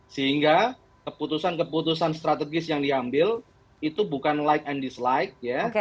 sehingga keputusan keputusan strategis yang diambil itu bukan like and dislike ya